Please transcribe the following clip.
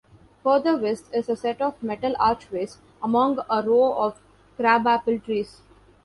Further west, is a set of metal archways among a row of crabapple trees.